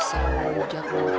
sialan juga keren